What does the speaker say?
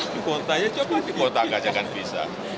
di kontak aja kan bisa